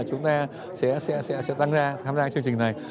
chúng ta sẽ tăng ra tham gia chương trình này